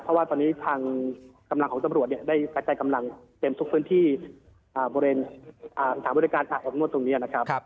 เพราะว่าตอนนี้ทางกำลังของตำรวจได้กระจายกำลังเต็มทุกพื้นที่บริเวณสถานบริการอาบอบนวดตรงนี้นะครับ